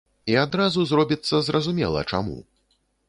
І адразу зробіцца зразумела, чаму.